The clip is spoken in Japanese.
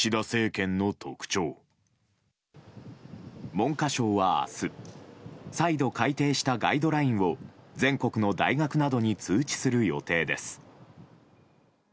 文科省は、明日再度改訂したガイドラインを全国の大学などに通知する予定です。